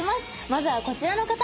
まずはこちらの方。